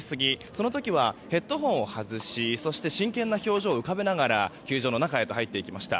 その時はヘッドホンを外し真剣な表情を浮かべながら球場の中へと入っていきました。